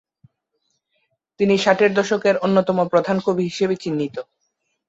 তিনি ষাটের দশকের অন্যতম প্রধান কবি হিসেবে চিহ্নিত।